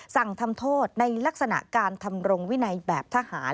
สั่งทำโทษในลักษณะการทำรงวินัยแบบทหาร